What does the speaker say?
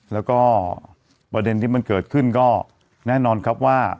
แล้วก็ประเด็นที่มันเกิดขึ้นก็แน่นอนครับว่า